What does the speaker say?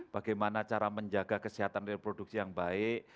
bagaimana cara menjaga kesehatan reproduksi yang baik